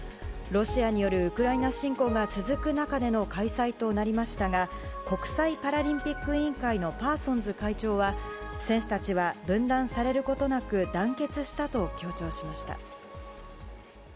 ロシアによるウクライナ侵攻が続く中での開催となりましたが国際パラリンピック委員会のパーソンズ会長は選手たちは分断されることなく団結したと強調しました。